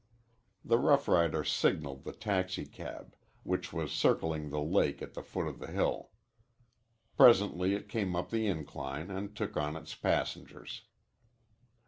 The rough rider signaled the taxicab, which was circling the lake at the foot of the hill. Presently it came up the incline and took on its passengers.